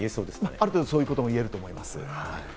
ある程度そういうことも言えると思います。